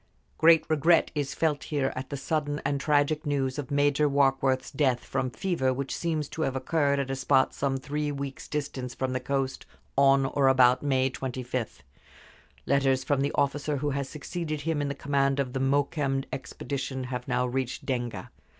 Great regret is felt here at the sudden and tragic news of Major Warkworth's death from fever, which seems to have occurred at a spot some three weeks' distance from the coast, on or about May 25. Letters from the officer who has succeeded him in the command of the Mokembe expedition have now reached Denga.